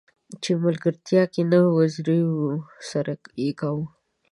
چې ملګرتيا کې نه وزيرو سره يې کاوه.